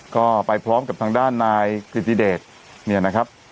ก็ไปพร้อมกับทางด้านนายกิติเดชเนี่ยนะครับ